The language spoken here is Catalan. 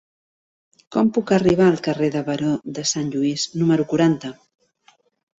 Com puc arribar al carrer del Baró de Sant Lluís número quaranta?